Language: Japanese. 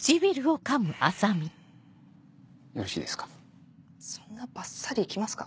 よろしいですか？